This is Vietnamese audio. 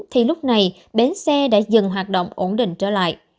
thì lúc này bến xe đã dừng hoạt động ổn định trở lại